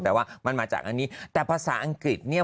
แต่ว่ามันมาจากอันนี้แต่ภาษาอังกฤษเนี่ย